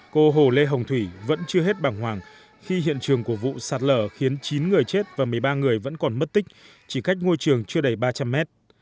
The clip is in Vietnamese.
cô hồ lê hồng thủy vẫn chưa hết bằng hoàng khi hiện trường của vụ sạt lở khiến chín người chết và một mươi ba người vẫn còn mất tích chỉ cách ngôi trường chưa đầy ba trăm linh mét